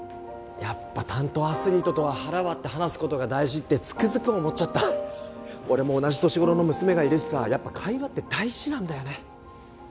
やっぱ担当アスリートとは腹割って話すことが大事ってつくづく思っちゃった俺も同じ年頃の娘がいるしさやっぱ会話って大事なんだよね